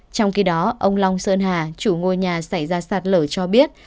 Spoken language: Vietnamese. trong khi đó ông long sơn hà chủ ngôi nhà xảy ra sạt lở cho biết